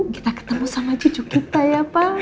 kita ketemu sama cucu kita ya pak